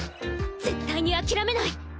「絶対に諦めない。